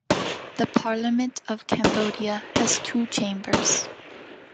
The Parliament of Cambodia has two chambers.